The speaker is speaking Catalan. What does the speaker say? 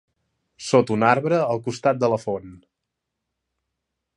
Sota un arbre al costat de la font.